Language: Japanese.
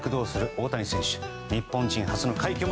大谷選手